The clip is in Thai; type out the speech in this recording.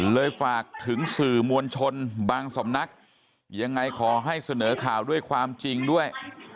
ฝากถึงสื่อมวลชนบางสำนักยังไงขอให้เสนอข่าวด้วยความจริงด้วย